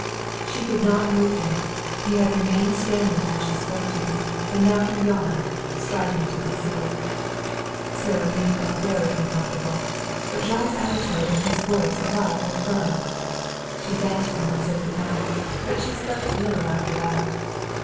She could not move him. He had remained standing while she spoke to him, and now he yawned, striving to conceal it. Sara Lee felt very uncomfortable, but Jean's attitude and voice alike were firm. She thanked him and said good night, but she slept little after that.